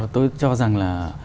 tôi cho rằng là